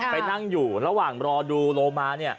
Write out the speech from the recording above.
ไปนั่งอยู่แล้วระหว่างรอดูโลมาเนี่ย